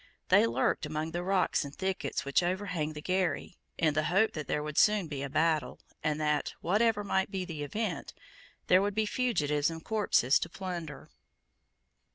They lurked among the rocks and thickets which overhang the Garry, in the hope that there would soon be a battle, and that, whatever might be the event, there would be fugitives and corpses to plunder.